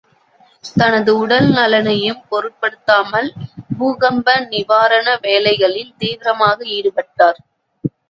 தனது உடல்நலனையும் பொருட்படுத்தாமல், பூகம்ப நிவாரண வேலைகளில் தீவிரமாக ஈடுபட்டார்.